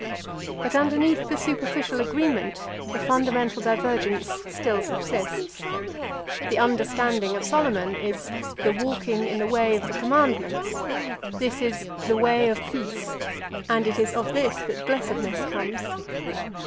But underneath the superficial agreement the fundamental divergence still subsists. The understanding of Solomon is "the walking in the way of the commandments;" this is "the way of peace,"+ and it is of this that blessedness comes.